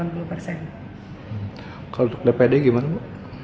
kalau untuk dpd gimana bu